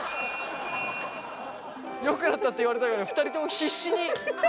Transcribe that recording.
「よくなった」って言われたいから２人とも必死に。